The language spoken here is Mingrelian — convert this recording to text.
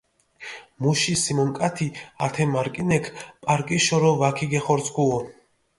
მუში სიმონკათი ათე მარკინექ პარკიშორო ვაქიგეხორცქუო.